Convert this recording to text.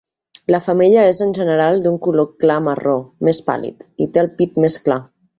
La femella és en general d'un color clar marró més pàl·lid i té el pit més clar.